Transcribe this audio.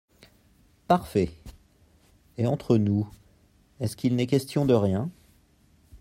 Parfait !…et… entre nous… est-ce qu’il n’est question de rien ?…